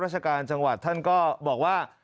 ราชการจังหวัดท่านก็บอกว่า